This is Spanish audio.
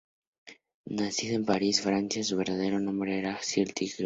Nacido en París, Francia, su verdadero nombre era Cyril Gottlieb.